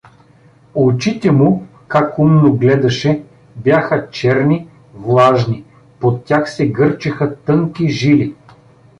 Очите му— как умно гледаше!— бяха черни, влажни, под тях се гърчеха тънки жили.